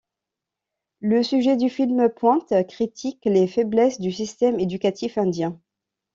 Le sujet du film pointe, critique les faiblesses du système éducatif indien.